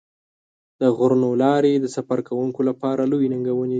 د غرونو لارې د سفر کوونکو لپاره لویې ننګونې دي.